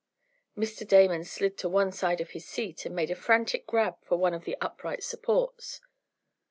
Mr. Damon slid to one side of his seat, and made a frantic grab for one of the upright supports.